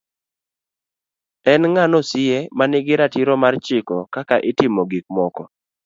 en ng'ano sie ma nigi ratiro mar chiko kaka itimo gik moko